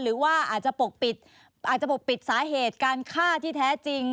หรือว่าอาจจะปกปิดสาเหตุการฆ่าที่แท้จริง